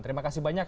terima kasih banyak